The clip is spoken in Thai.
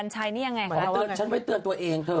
อ๋อจัดแล้ว